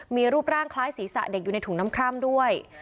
มีรูปร่างคล้ายศีรษะเด็กอยู่ในถุงน้ำคร่ำด้วย